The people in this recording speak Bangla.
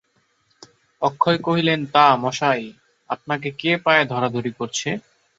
অক্ষয় কহিলেন, তা, মশায়, আপনাকে কে পায়ে ধরাধরি করছে।